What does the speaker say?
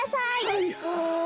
はいはい！